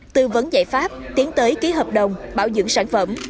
tư vấn giải pháp tiến tới ký hợp đồng bảo dưỡng sản phẩm